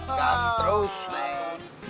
gakas terus neng